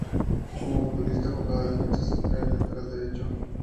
Como futbolista jugaba de defensa central y lateral derecho.